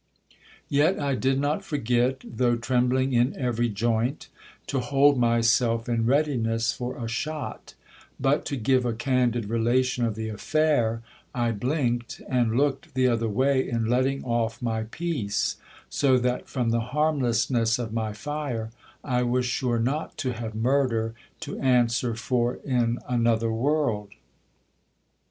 Yet I did not forget, though trembling in every joint, to hold myself in readiness for a shot : but, to give a candid relation of the affair, I blinked and looked the other way in letting off my piece ; so that from the harmlessness of my fire, I was sure not to have murder to answer for in another world.